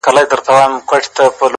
• لعل په ایرو کي نه ورکېږي ,